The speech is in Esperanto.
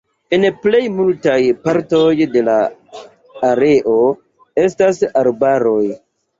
En plej multaj partoj de la areo estas arbaroj.